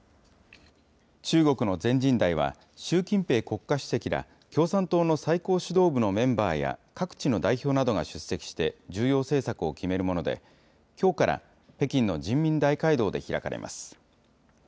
中国の全人代は、習近平国家主席ら共産党の最高指導部のメンバーや各地の代表などが出席して、重要政策を決めるもので、きょうから北京の人民大会堂で開かれます。